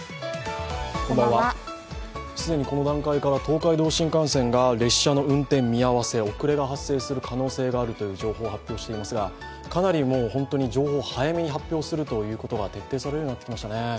既にこの段階から東海道新幹線が列車の運転見合わせ、遅れが発生する可能性があるという情報を発表していますが、かなり情報を早めに発表するということが徹底されるようになってきましたね。